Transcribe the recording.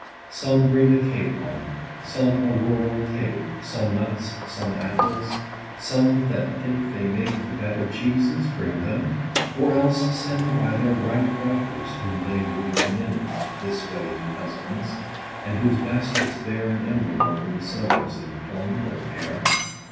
50 Some bring a capon, some a rural cake, Some nuts, some apples ; some that think they make The better cheeses, bring them ; or else send By their ripe daughters, whom they would commend This way to husbands ; and whose baskets bear An emblem of themselves in plum, or pear.